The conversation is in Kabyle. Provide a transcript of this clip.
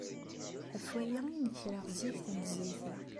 Ɣef waya ay nekreɣ zik tanezzayt-a.